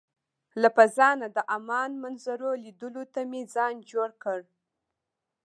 له فضا نه د عمان منظرو لیدلو ته مې ځان جوړ کړ.